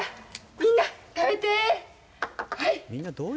みんな食べてはい